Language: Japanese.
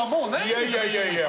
いやいやいやいや。